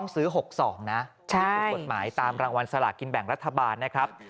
ซื้อ๖๒นะถูกกฎหมายตามรางวัลสลากินแบ่งรัฐบาลนะครับ